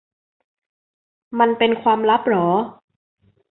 มันเป็นความลับหรอ